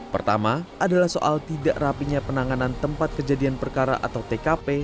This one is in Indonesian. pertama adalah soal tidak rapinya penanganan tempat kejadian perkara atau tkp